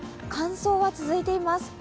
乾燥は続いています。